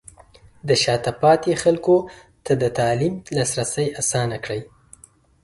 د شاته پاتې خلکو ته د تعلیم لاسرسی اسانه کړئ.